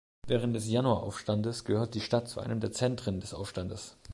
Während des Januaraufstandes gehört die Stadt zu einem der Zentren des Aufstandes.